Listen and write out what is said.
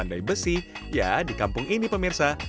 yang pandai besi ya di kampung ini pemirsa